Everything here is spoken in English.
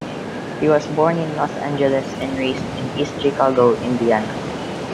He was born in Los Angeles and raised in East Chicago, Indiana.